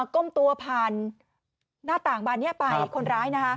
ก้มตัวผ่านหน้าต่างบานนี้ไปคนร้าย